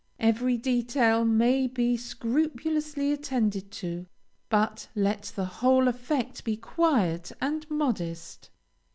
Every detail may be scrupulously attended to, but let the whole effect be quiet and modest.